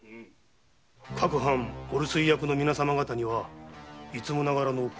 各藩お留守居役の皆様方にはいつもながらのお心遣い。